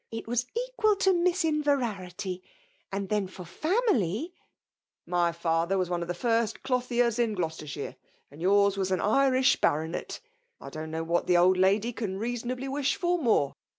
It was equal to Miss Inverarity ! And then for ibmily ^" My father was one of the first clothiers in Gloucestershire, and your's was an Irish Baronet; I don't know what the old lady can reasonably wish for more.